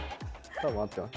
多分合ってます。